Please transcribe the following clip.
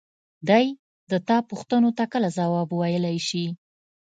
دى د تا پوښتنو ته کله ځواب ويلاى شي.